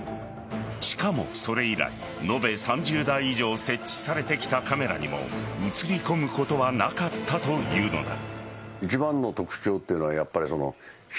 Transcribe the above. しかもそれ以来延べ３０台以上設置されてきたカメラにも映りこむことはなかったというのだ。